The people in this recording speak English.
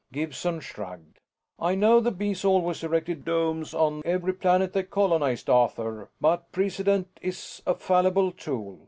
Gibson shrugged. "I know the Bees always erected domes on every planet they colonized, Arthur, but precedent is a fallible tool.